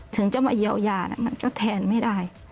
ถึงจะมาเยียวยามันก็แทนไม่ได้